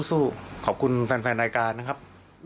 สู้ขอบคุณแฟนรายการนะครับ